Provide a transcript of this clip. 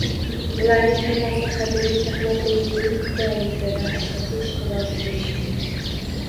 Ularning hammasi qadimiy shaxmat o‘yinining fidoyisi va ashaddiy ishqibozi bo‘lishgan